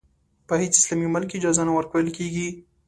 په هېڅ اسلامي ملک کې اجازه نه ورکول کېږي.